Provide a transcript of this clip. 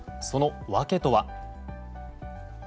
その訳とは。